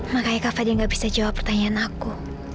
makanya kak fadi nggak bisa jawab pertanyaan aku